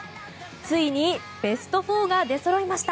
ついにベスト４が出そろいました。